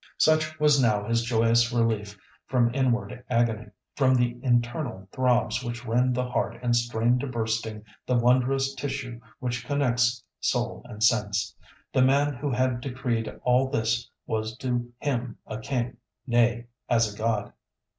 Such was now his joyous relief from inward agony, from the internal throbs which rend the heart and strain to bursting the wondrous tissue which connects soul and sense. The man who had decreed all this was to him a king—nay, as a god.